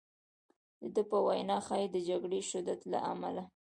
د ده په وینا ښایي د جګړې شدت له امله.